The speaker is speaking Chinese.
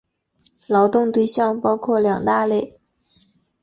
劳动对象包括两大类。